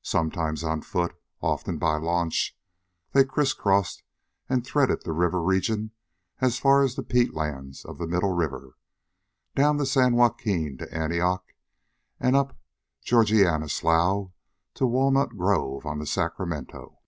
Sometimes on foot, often by launch, they criss crossed and threaded the river region as far as the peat lands of the Middle River, down the San Joaquin to Antioch, and up Georgiana Slough to Walnut Grove on the Sacramento.